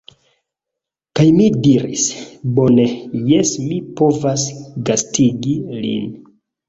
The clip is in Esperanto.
Kaj mi diris: "Bone. Jes, mi povas gastigi lin."